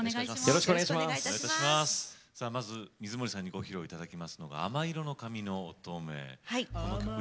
まず水森さんにご披露いただきますのが「亜麻色の髪の乙女」